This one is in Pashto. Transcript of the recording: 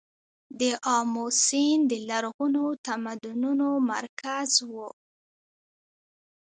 د امو سیند د لرغونو تمدنونو مرکز و